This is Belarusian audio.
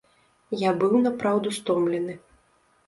Я быў напраўду стомлены.